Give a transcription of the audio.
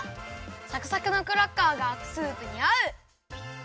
サクサクのクラッカーがスープにあう！